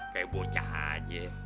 kayak bocah aja ya